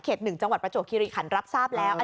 ๑จังหวัดประจวบคิริขันรับทราบแล้ว